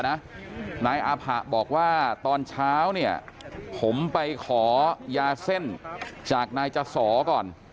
นายอาผะบอกว่าตอนเช้าเนี่ยผมไปขอยาเส้นจากนายจสอก่อน